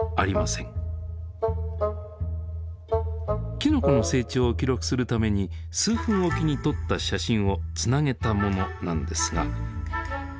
きのこの成長を記録するために数分おきに撮った写真をつなげたものなんですが。